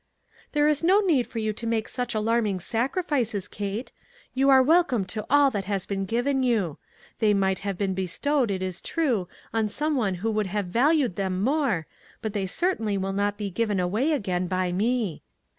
"There is no need for you to make such alarming sacrifices, Kate. You are welcome to all that has been given you. They might have been bestowed, it is true, on some one who would have valued them more, but they certainly will not be given away again by me.